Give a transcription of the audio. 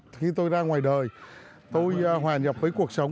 khi tôi ra ngoài đời tôi hòa nhập với cuộc sống